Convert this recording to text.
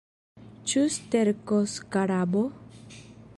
Ĉu sterkoskarabo?